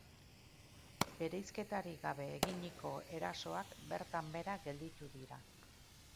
Bereizketarik gabe eginiko erasoak bertan behera gelditu dira.